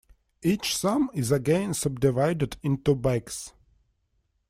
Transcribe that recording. Each sum is again subdivided into "bags".